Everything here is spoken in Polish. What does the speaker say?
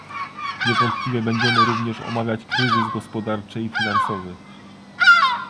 Niewątpliwie będziemy również omawiać kryzys gospodarczy i finansowy